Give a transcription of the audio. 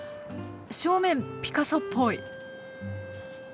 正面ピカソっぽい。